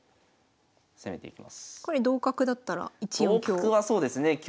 これ同角だったら１四香。